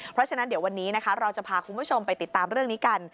เพราะฉะนั้นเดี๋ยววันนี้นะคะเราจะพาคุณผู้ชมไปติดตามเรื่องนี้กัน